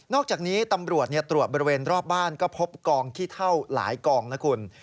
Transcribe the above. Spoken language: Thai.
อกจากนี้ตำรวจตรวจบริเวณรอบบ้านก็พบกองขี้เท่าหลายกองนะคุณ